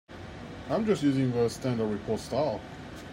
I'm just using the standard report style.